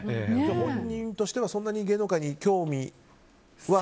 本人としてはそんなに芸能界に興味は。